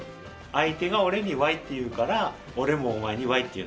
相手が俺に「わい」って言うから俺もお前に「わい」って言う。